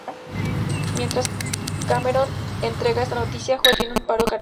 Mientras Cameron entrega esta noticia, Joe tiene un paro cardíaco.